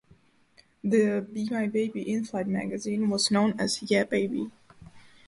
The Bmibaby inflight magazine was known as "Yeah baby!".